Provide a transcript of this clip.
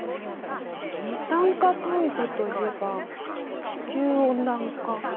二酸化炭素といえば地球温暖化。